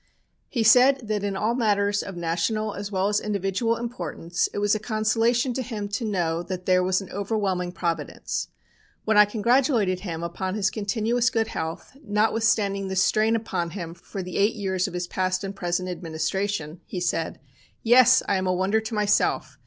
He said that in all matters of national as well as individual importance it was a consolation to him to know that there was an overwhelming Providence. When I congratulated him upon his continuous good health, notwithstanding the strain upon him for the eight years of his past and present administration, he said: "'Yes! I am a wonder to myself.